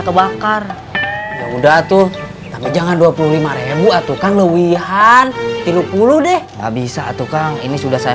kebakar udah tuh tapi jangan dua puluh lima atau kang lewihan tiga puluh deh abis satu kang ini sudah saya